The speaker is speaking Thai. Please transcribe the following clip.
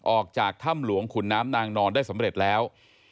ออกจากถ้ำหลวงขุนน้ำนางนอนได้สำเร็จแล้ว